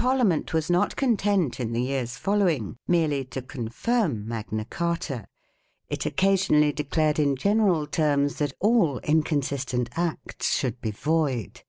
1 76 MAGNA CARTA AND COMMON LAW Parliament was not content in the years follow ing merely to confirm Magna Carta : it occasionally declared in general terms that all inconsistent acts should be void.